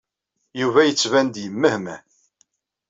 Yuba yettban-d yemmehmeh.